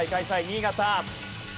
新潟。